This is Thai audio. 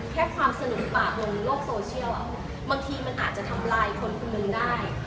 แค่ความสนุกปากลงโลกโซเชียลบางทีมันอาจจะทำลายคนคนหนึ่งได้